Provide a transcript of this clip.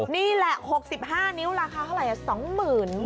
นี่แหละ๖๕นิ้วราคาเท่าไร